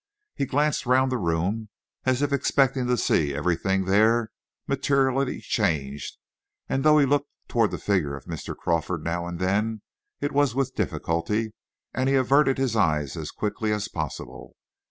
He glanced round the room as if expecting to see everything there materially changed, and though he looked toward the figure of Mr. Crawford now and then, it was with difficulty, and he averted his eyes as quickly as possible.